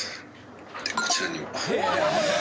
こちらにも。